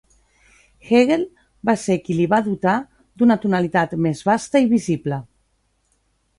Hegel va ser qui li va dotar d'una tonalitat més vasta i visible.